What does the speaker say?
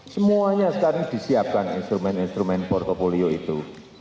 semuanya sekarang disiapkan instrumen instrumen portfolio itu